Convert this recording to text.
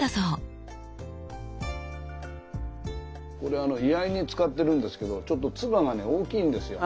これあの居合に使ってるんですけどちょっと鐔がね大きいんですよ。